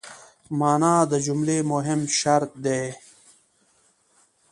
مانا د جملې مهم شرط دئ.